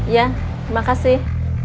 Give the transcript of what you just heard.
iya terima kasih